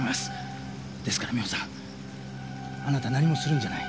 ですから美穂さんあなた何もするんじゃない。